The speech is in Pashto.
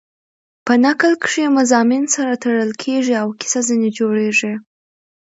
په نکل کښي مضامین سره تړل کېږي او کیسه ځیني جوړېږي.